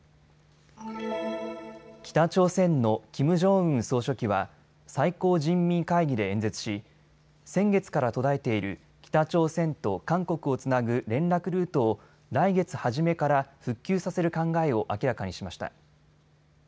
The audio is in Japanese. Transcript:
北朝鮮のキム・ジョンウン総書記は最高人民会議で演説し、先月から途絶えている北朝鮮と韓国をつなぐ連絡ルートを来月初めから復旧させる考えを明らかにしました。